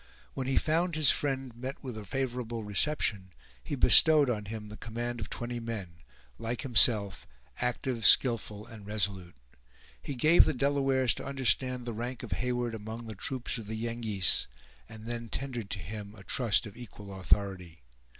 When he found his friend met with a favorable reception, he bestowed on him the command of twenty men, like himself, active, skillful and resolute. He gave the Delawares to understand the rank of Heyward among the troops of the Yengeese, and then tendered to him a trust of equal authority.